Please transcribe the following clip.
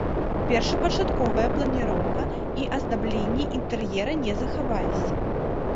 Першапачатковыя планіроўка і аздабленне інтэр'ера не захаваліся.